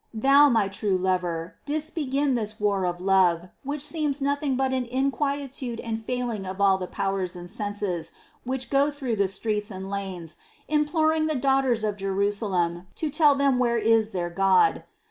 Thou, my true Lover, didst begin this war of love, which seems nothing but an inquietude and failing of all the powers and senses, which go through the streets * and lanes, imploring the daughters of Jerusalem to tell them where is their God.